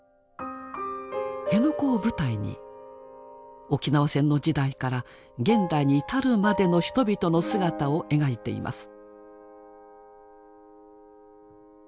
辺野古を舞台に沖縄戦の時代から現代に至るまでの人々の姿を描いています。